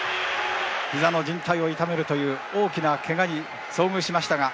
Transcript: ひざのじん帯を痛めるという大きなけがに遭遇しましたが。